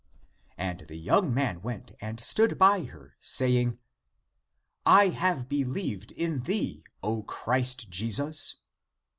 And the young man went and stood by her, saying, " I have believed in thee, O Christ Jesus."